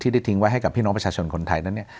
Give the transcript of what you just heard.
ที่ได้ทิ้งไว้ให้กับพี่น้องประชาชนคนไทย